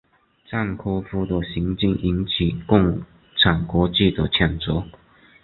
赞科夫的行径引起共产国际的谴责。